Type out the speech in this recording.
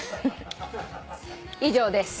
以上です。